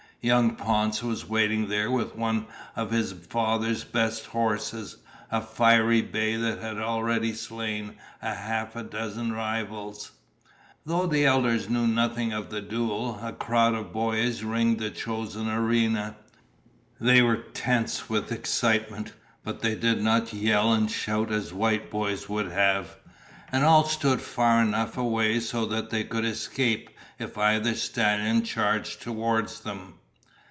Young Ponce was waiting there with one of his father's best horses, a fiery bay that had already slain a half dozen rivals. Though the elders knew nothing of the duel, a crowd of boys ringed the chosen arena. They were tense with excitement, but they did not yell and shout as white boys would have. And all stood far enough away so that they could escape if either stallion charged toward them.